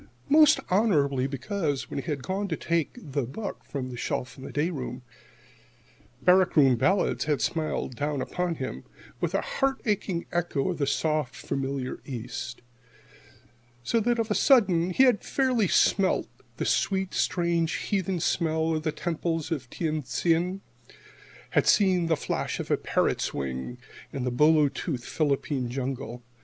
Most honorably, because, when he had gone to take the book from its shelf in the day room, "Barrack Room Ballads"[68 1] had smiled down upon him with a heart aching echo of the soft, familiar East; so that of a sudden he had fairly smelt the sweet, strange, heathen smell of the temples in Tien Tsin had seen the flash of a parrot's wing in the bolo toothed Philippine jungle.